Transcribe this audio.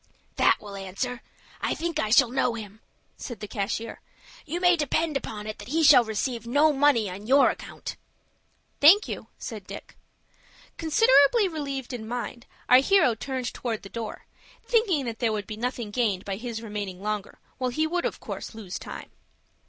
"That will answer. I think I shall know him," said the cashier. "You may depend upon it that he shall receive no money on your account." "Thank you," said Dick. Considerably relieved in mind, our hero turned towards the door, thinking that there would be nothing gained by his remaining longer, while he would of course lose time.